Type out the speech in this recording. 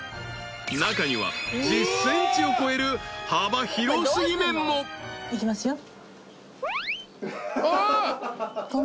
［中には１０ｃｍを超える幅広過ぎ麺も］いきますよ。